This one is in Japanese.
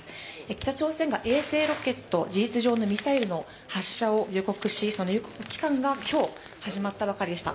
北朝鮮が衛星ロケット、事実上のミサイルの発射を予告し、その予告期間が今日、始まったばかりでした。